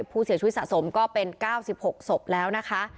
ผู้เสียชีวิตสะสมก็เป็น๙๖ศพแล้วนะคะ